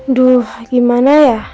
aduh gimana ya